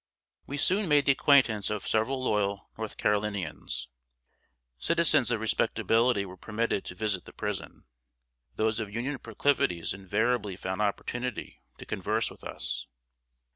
We soon made the acquaintance of several loyal North Carolinians. Citizens of respectability were permitted to visit the prison. Those of Union proclivities invariably found opportunity to converse with us.